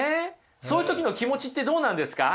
そういう時の気持ちってどうなんですか？